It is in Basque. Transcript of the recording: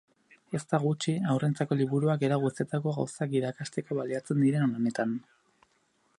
Ez da gutxi, haurrentzako liburuak era guztietako gauzak irakasteko baliatzen diren honetan.